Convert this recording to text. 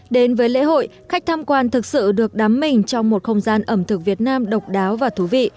đến với lễ hội khách tham quan thực sự được đắm mình trong một không gian ẩm thực việt nam độc đáo và thú vị